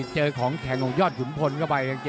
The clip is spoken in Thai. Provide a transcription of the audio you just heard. เจอของแข่งของยอดฯฝนก้นเข้าไป